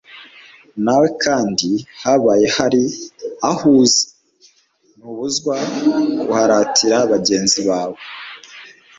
Nawe kandi habaye hari aho uzi ntubuzwa kuharatira bagenzi bawe